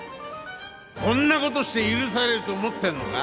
こんなことして許されると思ってんのか？